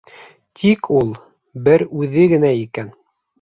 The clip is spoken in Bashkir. Тик ул... бер үҙе генә икән.